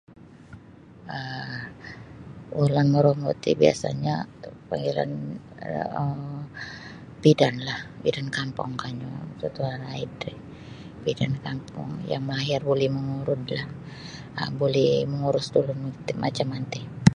um Ulun marumbut ti biasanyo panggilan um bidanlah bidan kampung kanyu mututuo laid ri bidan kampung yang mahir buli mangurudlah yang mahir mangurus da ulun macam manti.